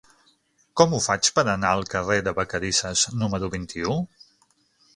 Com ho faig per anar al carrer de Vacarisses número vint-i-u?